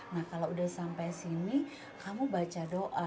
nah kalau udah sampai sini kamu baca doa